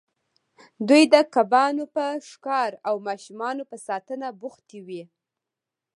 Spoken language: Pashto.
دوی د کبانو په ښکار او ماشومانو په ساتنه بوختې وې.